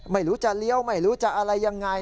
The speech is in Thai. ไม่รู้จะเลี้ยวไม่รู้จะอะไรยังไง